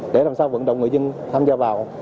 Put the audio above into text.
để làm sao vận động người dân tham gia vào